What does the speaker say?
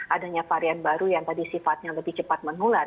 adanya varian baru yang tadi sifatnya lebih cepat menular